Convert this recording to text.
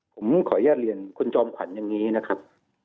ผมขออนุญาตเรียนคุณจอมขวัญอย่างนี้นะครับ